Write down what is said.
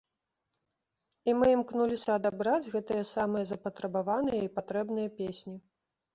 І мы імкнуліся адабраць гэтыя самыя запатрабаваныя і патрэбныя песні.